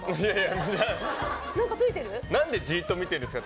何でじっと見てるんですか？